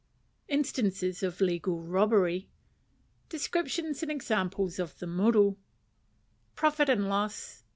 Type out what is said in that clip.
Instances of Legal Robbery. Descriptions and Examples of the Muru. Profit and Loss.